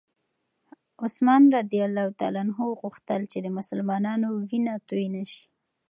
عثمان رض غوښتل چې د مسلمانانو وینه توی نه شي.